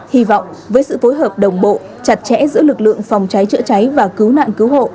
hy vọng với sự phối hợp đồng bộ chặt chẽ giữa lực lượng phòng cháy chữa cháy và cứu nạn cứu hộ